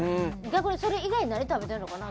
逆にそれ以外何食べてるのかな。